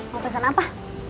mau pesen apa